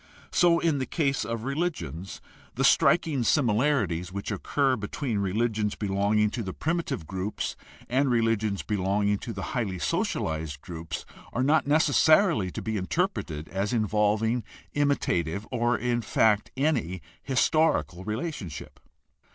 So in the case of religions; the striking similarities which occur between religions belonging to the primitive groups and religions belong ing to the highly socialized groups are not necessarily to be interpreted as involving imitative, or in fact any, historical relationship.